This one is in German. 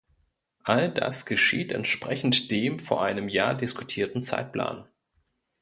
All das geschieht entsprechend dem vor einem Jahr diskutierten Zeitplan.